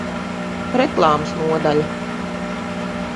Reklāmas nodaļa